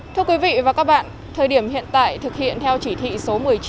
thưa quý vị và các bạn thời điểm hiện tại thực hiện theo chỉ thị số một mươi chín của thủ tướng chính phủ